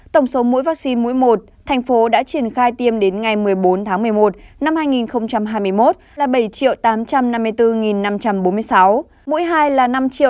tổng số mũi vaccine mũi một thành phố đã triển khai tiêm đến ngày một mươi bốn tháng một mươi một năm hai nghìn hai mươi một là bảy tám trăm năm mươi bốn năm trăm bốn mươi sáu mũi hai là năm chín trăm năm mươi bốn một trăm hai mươi bảy